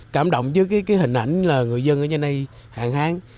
cảm động chứ cái hình ảnh là người dân ở trên đây hàng háng